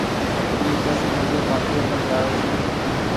اي بس ريلوي ڦآٽڪي پر جآوي ڇي۔